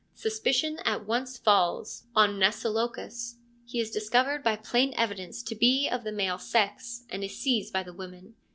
Suspicion at once falls on Mnesilochus; he is discovered by plain evidence to be of the male sex, and is seized by the women.